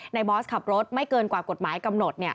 บอสขับรถไม่เกินกว่ากฎหมายกำหนด